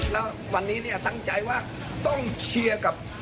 เราวันนี้ตั้งใจว่า